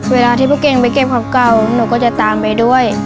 เวลาที่พวกเก่งไปเก็บของเก่าหนูก็จะตามไปด้วย